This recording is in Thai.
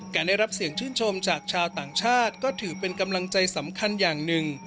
ได้รับเสียงชื่นชมจากชาวต่างชาติก็ถือเป็นกำลังใจสำคัญอย่างหนึ่ง